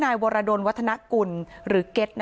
นายวรดลวัฒนกุลหรือเก็ต